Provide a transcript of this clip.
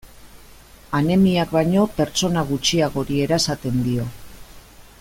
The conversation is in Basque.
Anemiak baino pertsona gutxiagori erasaten dio.